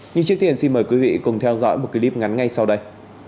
nhưng trước tiên xin mời quý vị cùng theo dõi một clip ngắn ngay sau đây